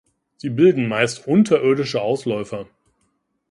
Sie bilden meist unterirdische Ausläufer.